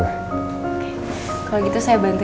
bapak dari tadi saya lihat dim aja